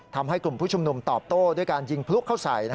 ทำให้กลุ่มผู้ชุมนุมตอบโต้ด้วยการยิงพลุเข้าใส่